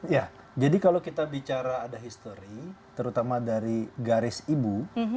ya jadi kalau kita bicara ada histori terutama dari garis ibu